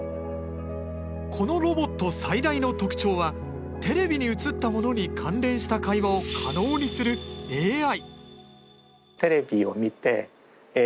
このロボット最大の特徴はテレビに映ったものに関連した会話を可能にするＡＩ。